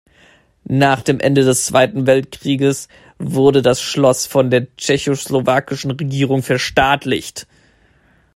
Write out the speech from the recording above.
Nach dem Ende des Zweiten Weltkrieges wurde das Schloss von der tschechoslowakischen Regierung verstaatlicht.